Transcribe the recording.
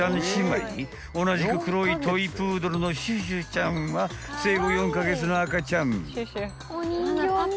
［同じく黒いトイプードルのシュシュちゃんは生後４カ月の赤ちゃん］